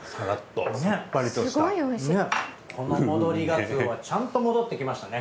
この戻りガツオはちゃんと戻ってきましたね。